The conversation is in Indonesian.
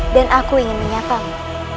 dan aku ingin menyapamu